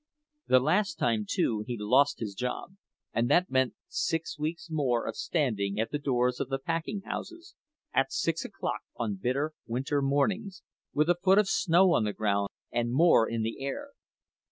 The last time, too, he lost his job, and that meant six weeks more of standing at the doors of the packing houses, at six o'clock on bitter winter mornings, with a foot of snow on the ground and more in the air.